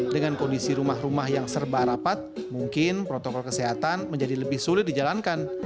dengan kondisi rumah rumah yang serba rapat mungkin protokol kesehatan menjadi lebih sulit dijalankan